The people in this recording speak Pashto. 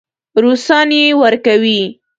روسان یې ورکوي.